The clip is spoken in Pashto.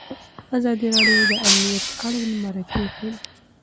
ازادي راډیو د امنیت اړوند مرکې کړي.